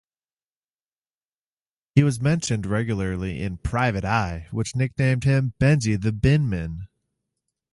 He was mentioned regularly in "Private Eye", which nicknamed him 'Benji the Binman'.